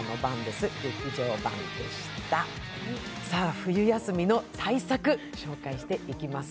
冬休みの大作、紹介していきます。